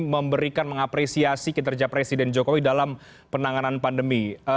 memberikan mengapresiasi kinerja presiden jokowi dalam penanganan pandemi